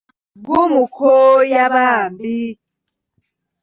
Gumukooya bambi!